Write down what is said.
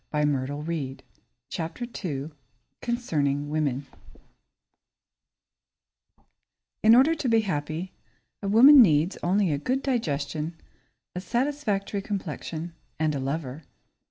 Concerning Women Concerning Women In order to be happy, a woman needs only a good digestion, a satisfactory complexion, and a lover.